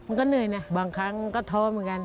มันก็เหนื่อยนะบางครั้งก็ท้อเหมือนกัน